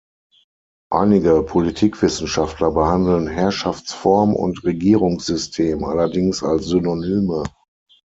Einige Politikwissenschaftler behandeln Herrschaftsform und Regierungssystem allerdings als Synonyme.